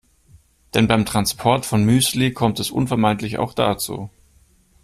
Denn beim Transport von Müsli kommt es unvermeidlich auch dazu.